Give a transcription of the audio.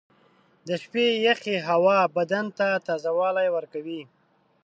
• د شپې یخې هوا بدن ته تازهوالی ورکوي.